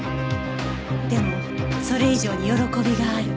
でもそれ以上に喜びがある